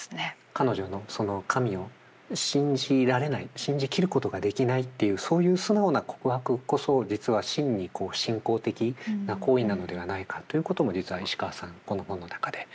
彼女のその神を信じられない信じきることができないっていうそういう素直な告白こそ実は真に信仰的な行為なのではないかということも実は石川さんこの本の中で書いていますね。